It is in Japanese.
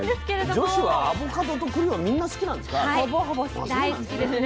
女子はアボカドとくりはみんな好きなんですか？